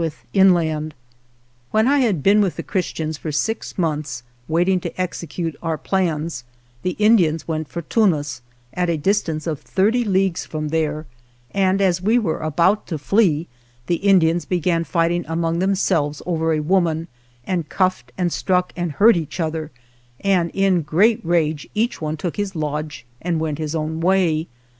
The Letter to the Audiencia does not mention the "cows,'* It 94 ALVAR NUNEZ CABEZA DE VACA WHEN I had been with the Chris tians for six months, waiting to execute our plans, the Indians went for "tunas," at a distance of thirty leagues from there, and as we were about to flee the Indians began fighting among them selves over a woman and cuffed and struck and hurt each other, and in great rage each one took his lodge and went his own way.